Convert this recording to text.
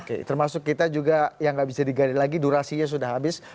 oke termasuk kita juga yang nggak bisa digali lagi durasinya sudah habis